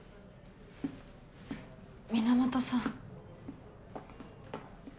源さん。